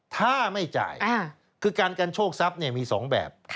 ถ้าไม่จ่ายคือการกันโชคทรัพย์มี๒แบบ